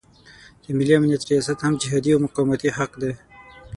د ملي امنیت ریاست هم جهادي او مقاومتي حق دی.